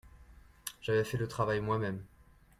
J'avais fait le travail moi-même.